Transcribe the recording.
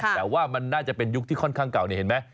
แต่ว่ามันน่าจะเป็นยุคที่ค่อนข้างเก่านี่เห็นไหม